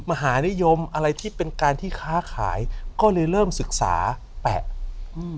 มหานิยมอะไรที่เป็นการที่ค้าขายก็เลยเริ่มศึกษาแปะอืม